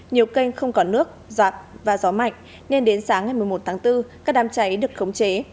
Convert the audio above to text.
nhiều kênh không có nước giạt và gió mạnh nên đến sáng ngày một mươi một tháng bốn các đám cháy được khống chế